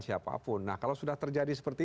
siapapun nah kalau sudah terjadi seperti